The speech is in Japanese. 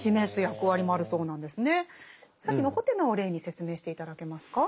さっきの「ホテナオ」を例に説明して頂けますか？